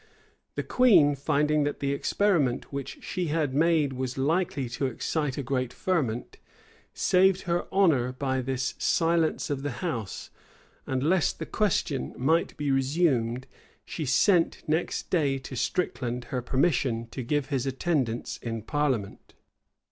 The queen, finding that the experiment which she had made was likely to excite a great ferment, saved her honor by this silence of the house; and lest the question might be resumed, she sent next day to Stricland her permission to give his attendance in parliament.